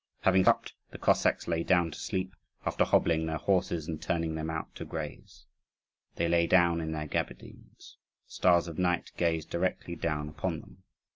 Having supped, the Cossacks lay down to sleep, after hobbling their horses and turning them out to graze. They lay down in their gaberdines. The stars of night gazed directly down upon them.